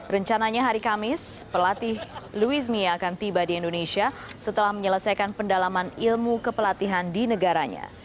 rencananya hari kamis pelatih louis mia akan tiba di indonesia setelah menyelesaikan pendalaman ilmu kepelatihan di negaranya